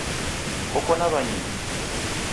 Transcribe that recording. Koko na wanyinyu?